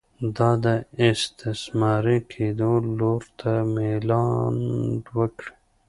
دا د استثماري کېدو لور ته میلان وکړي.